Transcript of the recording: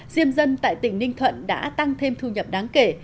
diêm dân tại tỉnh ninh thuận đã tăng thêm thu nhập đáng kể